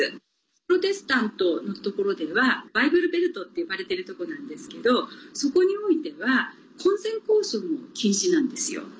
プロテスタントのところではバイブルベルトって呼ばれているところなんですけどそこにおいては婚前交渉も禁止なんですよ。